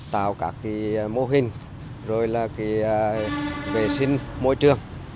tạo các mô hình vệ sinh môi trường